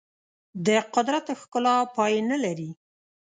د قدرت ښکلا پای نه لري.